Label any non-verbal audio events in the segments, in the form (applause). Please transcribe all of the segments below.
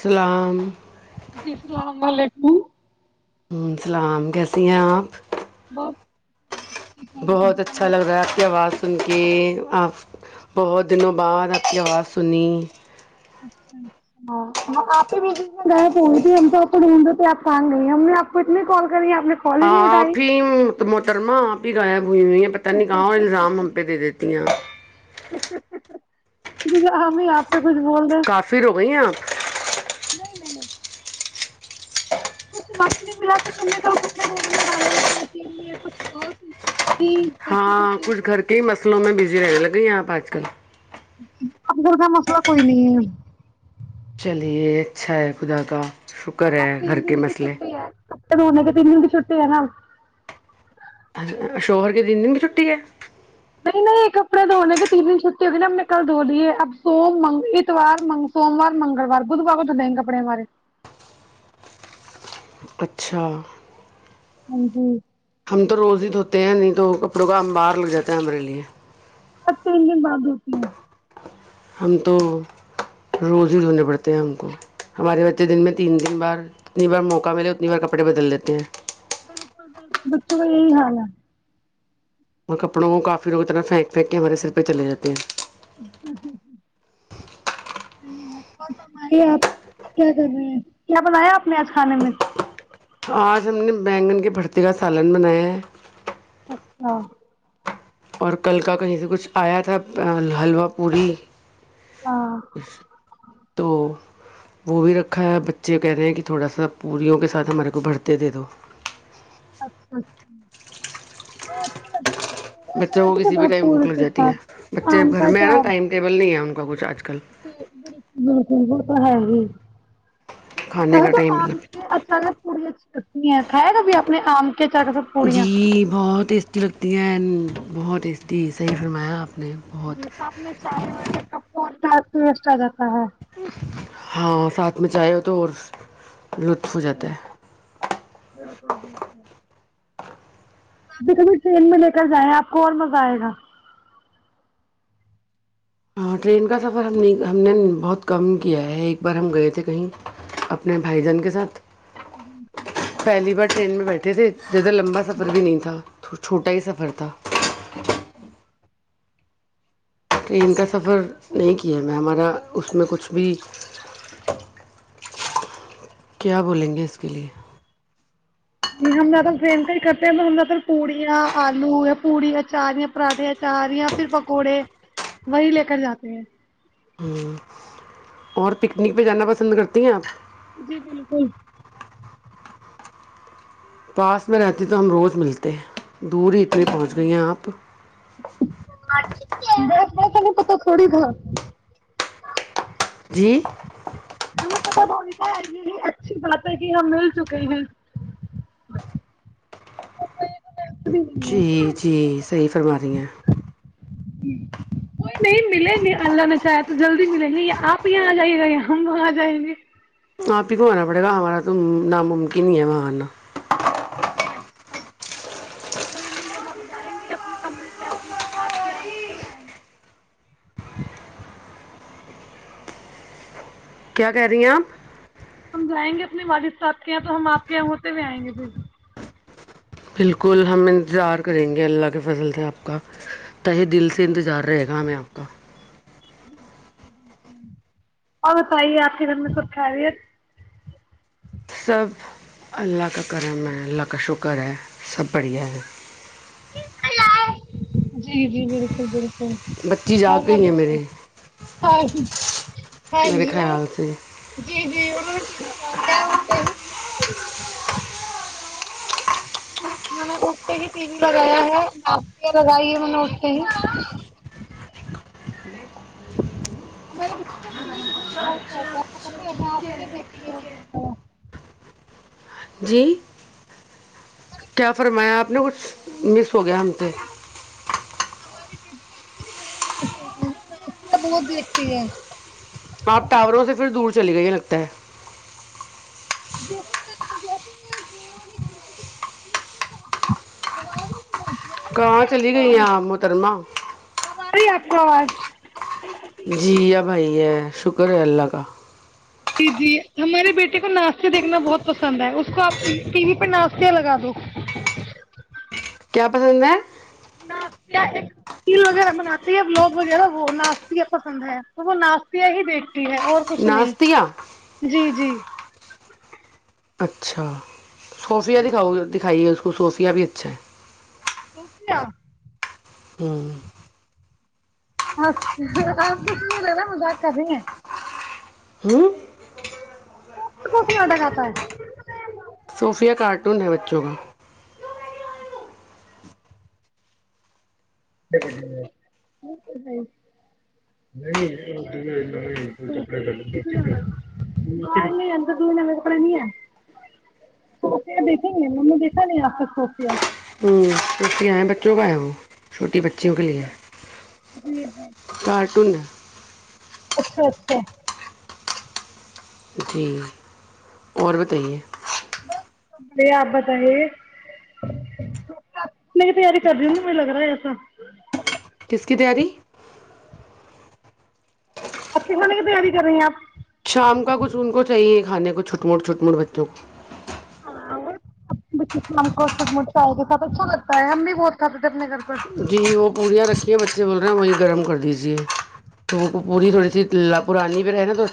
سلام جی السلام علیکم ہمم السلام کیسی ہیں آپ بہت اچھا لگ رہا ہے آپ کی آواز سن کے آپ بہت دنوں بعد آپ کی آواز سنی ہاں آپ کیا بیچ بیچ میں گائب تھی ہم تو آپ کو ڈھونڈ رہے تھے آپ کہاں نہیں ہم نے آپ کو اتنے کال کری آپ نے کال ہی نہیں اٹھائی آپ ہی تو محترمہ آپ بھی گائب ہوئی ہوئی پتا نہیں کہاں اور الزام ہم پہ دے دیتی ہیں ہمیں آپ سے کچھ بول دے کافر ہو گئی ہیں آپ نہیں کچھ وقت نہیں ملا کچھ ہم نے کپڑے دھونےے میں ڈالے ہوئے تھے مشین میں کچھ کس ہاں کچھ گھر کے ہی مسلوں میں بزی رہنے لگے یہاں اپ آج ک اب گھر کا مسئلہ کوئی نہیں ہے چلیے اچھا ہے خدا کا شکر ہے گھر کے مسئلے س منے کے تین دن کی چھٹی ہے نا شوہر کے تین دن کی چھٹی ہے نہیں نہیں کپڑے دھونے کے تین دن چھٹی ہوگی نا ہم نے کل دھو لیے اب س اتوار سوموار منگلوار بدھوار کو دھو دیں گے کپڑے ہمارے اچھا ہاں جی ہم تو روز ہی دھوتے ہیں نہیں تو کپڑوں کا امبار لگ جاتا ہے ہمارے لیے اب تین دن بعد دھوتے ہو ہم تو روز ہی دونے پڑتے ہیں ہم کو ہمارے بچے دن میں تین تین بار جتنی بار موقع ملے اتنی بار کپڑے بدل دیتے ہیں بالکل بالکل بچوں کا یہی حال ہے اور کپڑوں کو کافی لوگ اتنا پھینک تے ہیں کے ہمارے سر پہ چل جاتے ہیں اور ب آپ کیا کر رہے ہیں کیا بنایا آپ نے آج کھانے میں آج ہم نے بینگن کی بھرتی کا سالن بنایا ہے اچھا اور کل کا کہیں سے کچھ آیا تھا حلوہ پوڑی ہاں تو وہ بھی رکھا ہے بچے کہہ رہے ہیں کہ تھوڑا سا پوریوں کے ساتھ ہمارے کو بھرتے دے دو اچھا اچھا ہاں اچھاتا بچوں کو کسی بھی ٹائم بھک لگاتی ہے ساتھ بچے ا آم کا گھر میں ہے نا اچار ٹائم ٹیبل نہیں ہے ان کو کچھ کل جی بالکل بالکل م وہ تو ہے ہی (inaudible) کھانے کا ٹائم مطلب کنی کھائے گا بھی اپنے آم کے اچار کے ساتھ پوڑیاں جی بہت ٹیسٹی لگتی ہیں ہیں بہت ایٹی صحیح فرمایا آپ نے بہت جی سب میں چائے و تھے کپ (inaudible) ہاں سات مچاو تو اور لطف ہو جی جاتا ہے بالکل بالکل ابھی کبھی ٹرین میں لے کر جائ آپ کو اور مزہ آئے گا ہاں ٹرین کا سفر ہم نے ہم نے بہت کم کیا ہے ایک بار ہم گئے تھے کہیں اپنے بھائی جان کے ساتھ ہوں ہ پلی بار ٹرین میں بیٹھے تھے زیادہ لمبا سفر بھی نہیں تھا تو چھوٹا ہی سفر تھا ہی ٹرین کا سفر نہیںی کیا میں ہمارا اس میں کچھ بھی کیا بولیں گے اسک لیے ج ہم زیاد فریم کا ہی کرتے ہیں ہم زیاد پوڑیاں آلو پوڑی اچاریا پراھے اچار یا پھر پکوڑے وہی لے کر جاتے ہیں اور پکنک پہ جانا پسند کرتی ہیں آپ جی بالکل پاس میں رہتے تو ہم روز ملتے ہیں دور اتنی پہنچ گئی ہیں آپ ت پتا تھوڑی تھا جی ہمیں پت تو اچھی بات ہے کہ ہم مل چکے ہیں جی جی صحیح فرما رہی ہیں کوئی نہیں ملیں گے اللہ نے چاہ تو جلدی ملیں گے آپ یہاں آ جائیے گا یا ہم وہاں آ جائیں گے آپ ہی کو آنا پڑے گا ہمارا تو ناممکن ہی ہے وہاں آنا اچھا کوئی نہیں جب ہم جائیں گے اپنی امی کے یہاں تو آپ کے یہاں ہوتے میں آئ گے کیا کہہ رہی ہیں آپ ہم جائیں گے اپنے والد صاحب کے یہاں تو ہم آپ کے یہاں ہوتے ہوئے آئیں گے پھر بالکل ہم انتظار کریں گے اللہ کے فصل سے آپ کا تہ دل سے انتظار رہے گا ہمیں آپ کک اور بتائیے آپ کے گھر میں سب کھ رہی ہے سب اللہ کا کرم ہے اللہ کا شکر ہے سب بڑھیا ہے جی جی بالکل بالکل بچی جاگ ہو ہیں میرے ہ ہاں میرے جی خیال سے جی جی انوں نے کیی لگانییا اتے میں نے اھتے ہی ٹی وی لگایا ہے ناشتےیا لگائی ہے میں نے اٹھتے ہی ہمارے بچوں کو ٹی وی دیکھنے میں بہت شوق ہے آپ کو پتہ ہے میں آپ کیا دیکھتی ہوں جی کیا فرمایا آپ نے کچھ مس سوگے ہمتے ہماری رو دنے با بہت دگتی ہے آپ ٹاوروں سے پھر دور چلی گئی لگتا ہے ےاز کاں چلی گئی آ مترما کوواز جی ہ بھائی ہے شکر ہے اللہ کا جی جی ہمارے بیٹے کو ناشتے دیکھنا بہت پسند ہے اس کو آپ ٹی وی پہ ناشتہ لگا دو کیا پسند ہے ناش ایک تل وغیرہ بناتی ہے لوگ وغیرہ وہ ناشہ پسند ہے تو وہ ناشتہ ہی دیکھتی ہے اور کچھ نہیں ناشتیا جی جی اچھا صوفیا دکھاؤ دکھائی ہے اس کو تو صوفیہ بھی اچھا ہے ا ن (inaudible) ہوں چ آپ تو نہیں ل رہا مذاق کر رہی ہیں ہوں ک کس مٹا کھتاا ہے (inaudible) صوفیہ کارٹون ہے بچوں کا دیکھا نہیں آپ ہوں اس پ آئے بچوں بایا وہ چھوٹی بچیوں کے لیے اچھا جی جی کارٹڈ اچھا اچھا (inaudible) ب بڑی آبت ہے نہیں تیاری کر دوںی مج لگ رہا ہے ایسا کس کی تیاری اچے کھانے کی تیاری کر رہی ہیں آپ کام کا کچھ ان کو چاہیے کھانے کو چھوٹ موٹ چھوٹ موٹ بچوں کو ہاں ش کوٹٹال کے ساتھ اچھا لگتا ہے ہم بھی بہت کھاتے تھے اپنے گھر پر جی وہ پوریا رکھیے بچے بول رہے ہیں وہی گرم کر دیجیے (inaudible) س کو پوری تھوڑی سی تلا پرانی رہ نا تو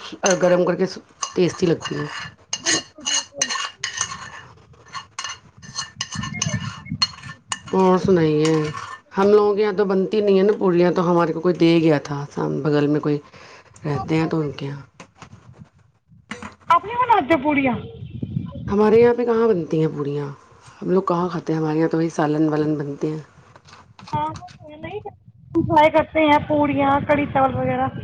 گرم کر کے ٹیسٹی لگتی ہے (inaudible) اور سنائیے ہم لوگوں کے یہاں تو بنتی نہیں ہے نا پورلیاں تو تو ہمارے کو کوئی دے ہی گیا تھا سام بغل میں کوئی رہت ہیں ومکں اپنی کون ہج پوڑیا کھی ہیں پوڑیاں ہم لوگ کہاں کھاتے ہیں ہمارے یہاں تو وہی سالن والالن بنتے ہیں ہاں وہ تو نہیں انجوائے کرتے ہیں پوڑیاں کڑھی چاول وغیرہ (inaudible)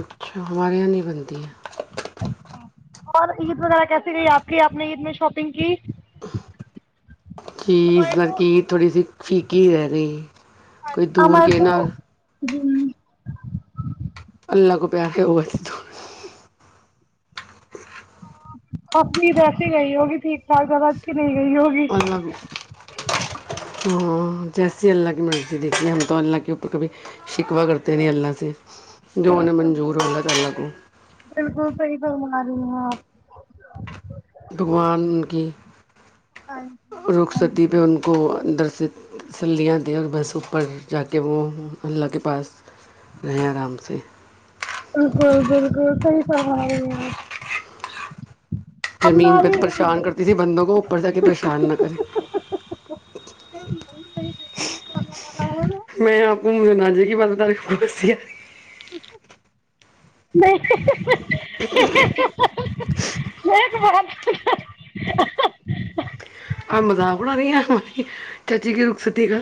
اچھا ہمارے یہاں نہیں بنتی ہے اور عید وغیرہ کیسی گئی آپ کی آپ نے عید میں شاپنگ کی (inaudible) کہی ہمارے تو لڑکی تھوڑی سی (inaudible) فیکی رہ رہی (inaudible) کوئی دور گ ن (inaudible) جی لگو پہ ہے وہ تو امی ایسی نہیں ہوگی ٹھیک ٹھاک جگہ کی نہیں گئی ہوگی مطلب ہ جیسی اللہ کی مرضی دیکھیے ہم تو اللہ کے اوپر کبھی شکوہ کرتے نہیں اللہ سے جو ان نے منظور ہولہ ت اللہ کو اور وہاں بھگوان کی روخ ستی پہ ان کو درشت تسلیاں دیں اور بس اوپر جا کے وہ اللہ کے پاس رہیں آرام سے بالکل بالکل صحی کرما رہے ہیںپ زمین پہ تو پریشان کرتی تھی بندوں کو اوپر ج کے پریشان نہ کرے جی بالکل بالکل صحیح (unintelligible) میں آپ کو مناجی گ بہ تاریخ ہے نہیں (unintelligible) ایک بات ابد بڑ رہی آ چاچی کی رخ ستی کا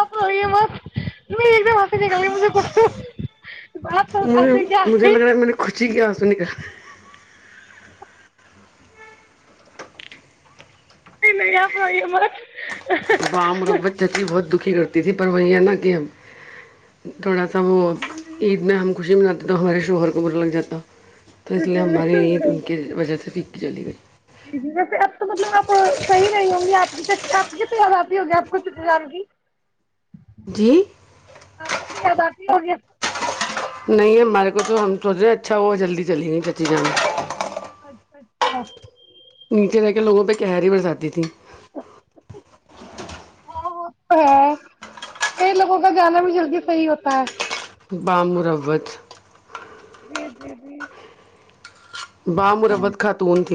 اف م (unintelligible) فز گلے مج کو (unintelligible) مج مجھے لگ رہا ہے میں نے خوشی کیا سنکا (unintelligible) کیا پئیوم بام مربت جی بہت دکھی کرتی تھی پر وہی ہے نا کہ ہم تھوڑا سا وہ عید میں ہم خوشی مناتے تو ہمارے شوہر کو برا لگ جاتا تو ج اس ج لیے ہماری عید ان کی وجہ سے پھیکی چلی گئی ویسے اب تو مطلب آپ صحی نہیں ہوں گی آپ کی س آپ کی پ واپی ہوگی آپ کو چزاروںگی جی یاد آختی ہوگی (unintelligible) نہیں ہمارے کو تو ہم سوچ رہے اچھا ہوا جلدی چلی گی کچی جان اچھا اچھا واہ نیچے رہ کے لوگوں پہ کہہری برساتی تھی ہاں وہ تو ہے کئی لوگوں کا جانا بھی جلدی صحیح ہوتا ہے ب مروت جی جی جی ب مربت خاتون ت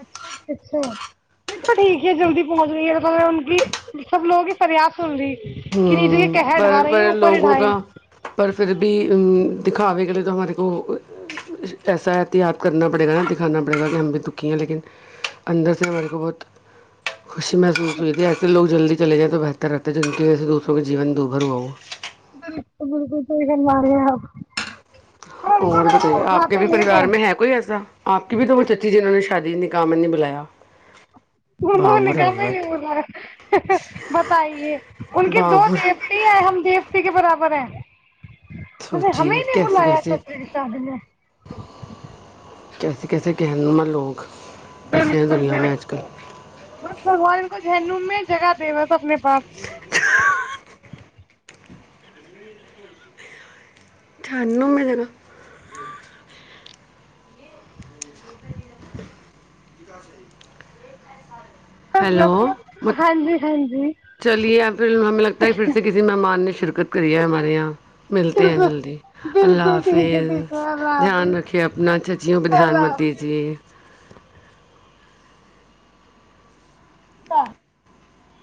اچھا جی اچھا تو ٹھیک ہے جلدی پہنچ رہی ہے میں ان کی سب لوگوں کی فریاد سن رہی کہ نیچے یہ ہوں کہر ڈھا بڑے ہیں بڑے اوپر ہی لوگوں ڈھائیں کا پر پھر بھی ا دکھاوے کے لیے تو ہمارے کو ایسا احتیاط کرنا پڑے گا نا دکھانا پڑے گا کہ ہم بھی دکھی ہیں لیکن اندر سے ہمارے کو بہت خوشی محسوس ہوئی ت ہے کہ لگ جلدی چل جائے تو بہتر رہتا ہے ج کہ ایسے دوسروں کے جین میں ابھر ہوا ہ ہو تو بالکل تو د ماریا آ اور بتے آپ کے بھی پریوار میں ہے کوئی ایسا آپ کی بھی تو وہ اچی جنہوں نے شادی نکام نہیں بلایا انہوں بام نے و کم رغبت نہیں بولا بتائیے ان کے بام دو و رغبت دیوتے ہیں ہم دیوتے کے برابر ہیں اگر ہمیں سوچیے نہیں کیسے بلایا تھا کیسے پری صاح نے کیسے کیسے کہنما لوگ بسے ہیں بالکل دنیا میں بک آج کل ب بگوان کو جن میں جگہ دس اپنے پاس چٹھانو میں دیر (inaudible) ہیلو ہاں جی ہاں جی چلیے پھر ہمیں لگتا ہے پھر سے کسی مہمان نے شرکت کری ہے ہمارے یہاں ملتے ہیں جلدی بالکل اللہ بالکل ٹھیک ہے حافظ ٹھیک ہے اللہ دھیان حافظ رکھیے اپنا چچیوں پہ دھیان اللہ مت حافظ دیجیے (unintelligible)